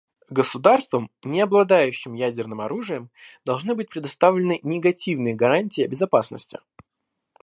Государствам, не обладающим ядерным оружием, должны быть предоставлены негативные гарантии безопасности.